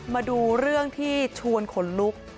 มาดูเรื่องที่ชวนขนลุก